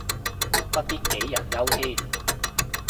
不必杞人憂天